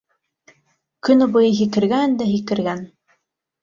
Көнө буйы һикергән дә, һикергән...